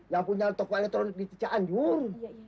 yang punya toko elektronik di tijak anjur